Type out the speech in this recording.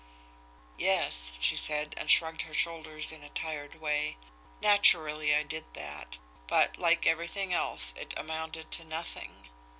"Yes," she said, and shrugged her shoulders in a tired way. "Naturally I did that but, like everything else, it amounted to nothing.